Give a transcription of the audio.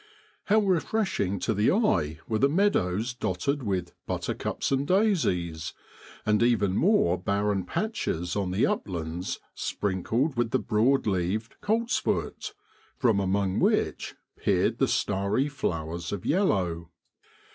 How refreshing to the eye were 36 APRIL IN BROADLAND. the meadows dotted with l buttercups and daisies,' and even the more barren patches on the uplands sprinkled with the broad leaved coltsfoot, from among which peered the starry flowers of yellow.